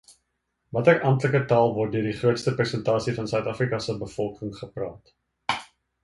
Watter amptelike taal word deur die grootste persentasie van Suid-Afrika se bevolking gepraat?